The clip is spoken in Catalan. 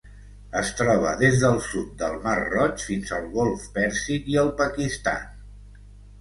Es troba des del sud del Mar Roig fins al Golf Pèrsic i el Pakistan.